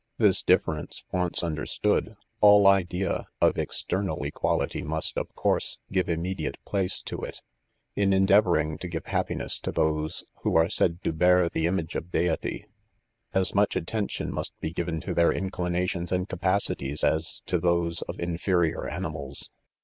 'This difference onceunderstoocl,all ; ideao£ external eqb& ility,must> of eoorse,. give immediate plaee lo It fh< endeavouring to give' happiness to those "who are said to bear the image of Deity, as much attention must be given to their inclinations and capacities; as to these •of inferior animals.